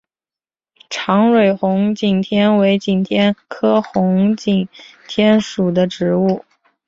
长蕊红景天为景天科红景天属的植物。